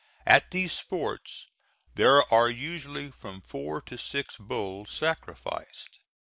At these sports there are usually from four to six bulls sacrificed.